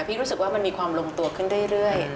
รู้สึกว่ามันมีความลงตัวขึ้นเรื่อย